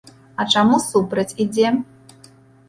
А чаму супраць ідзе?